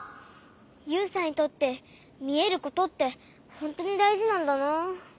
ユウさんにとってみえることってほんとにだいじなんだな。